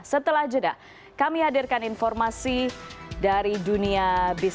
setelah jeda kami hadirkan informasi dari dunia bisnis